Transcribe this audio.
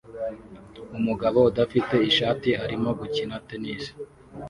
Umugabo udafite ishati arimo gukina tennis